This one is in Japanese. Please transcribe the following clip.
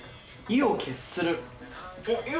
意を決する。